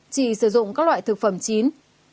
năm chỉ sử dụng các loại thực phẩm chín